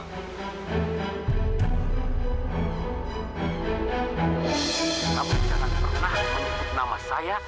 tapi jangan pernah menyebut nama saya